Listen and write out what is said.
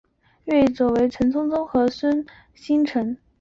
越狱者为陈聪聪和孙星辰。